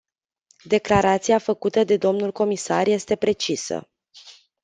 Declarația făcută de domnul comisar este precisă.